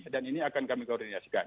dan ini akan kami koordinasikan